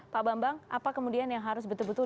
pak bambang apa kemudian yang harus betul betul